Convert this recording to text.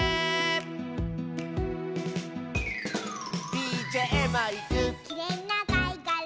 「ＤＪマイク」「きれいなかいがら」